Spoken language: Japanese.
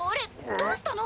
どうしたの？